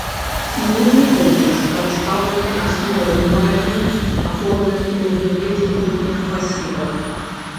Ніжні комплекс прадстаўлены асноўнай марэнай, аформленай у выглядзе кутніх масіваў.